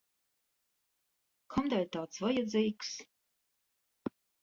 Kamdēļ tāds vajadzīgs?